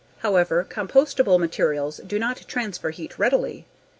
However, compostable materials do not transfer heat readily.